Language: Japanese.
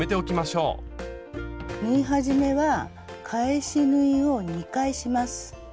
縫い始めは返し縫いを２回します。